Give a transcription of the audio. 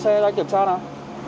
không mang giấy tạo tùy thuật